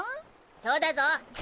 そうだゾ。